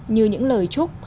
như những lời chúc